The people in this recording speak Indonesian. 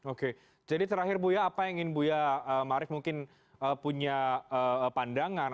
oke jadi terakhir buya apa yang ingin buya marif mungkin punya pandangan